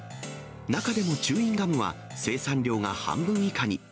中でもチューインガムは、生産量が半分以下に。